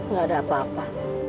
nggak ada apa apa